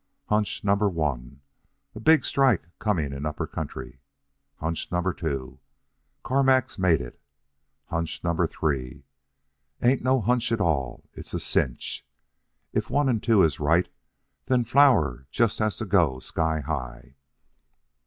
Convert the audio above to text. "Hunch number one: a big strike coming in Upper Country. Hunch number two: Carmack's made it. Hunch number three: ain't no hunch at all. It's a cinch. If one and two is right, then flour just has to go sky high.